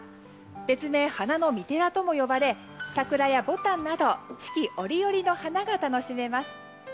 別名、花の御寺とも呼ばれ桜やボタンなど四季折々の花が楽しめます。